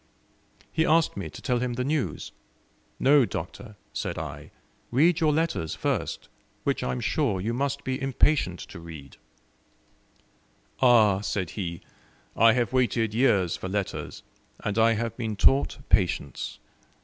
He asked me to tell him the news. "No, Doctor," said I, "read your letters first, which I am sure you must be impatient to read." "Ah," said he, "I have waited years for letters, and I have been taught patience.